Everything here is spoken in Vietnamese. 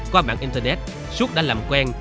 qua mạng internet xuất đã làm quen